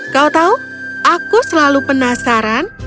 kau tahu aku selalu penasaran